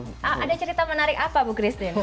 ada cerita menarik apa bu christine